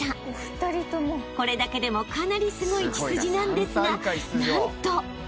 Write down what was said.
［これだけでもかなりすごい血筋なんですが何と］